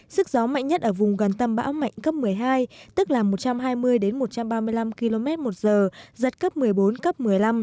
sức gió mạnh nhất ở vùng gần tâm bão mạnh cấp một mươi hai tức là một trăm hai mươi một trăm ba mươi năm km một giờ giật cấp một mươi bốn cấp một mươi năm